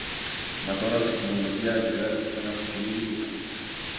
Matorras se comprometía a entregarles ganado, semillas y herramientas.